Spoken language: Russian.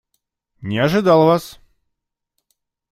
Не ожидал вас.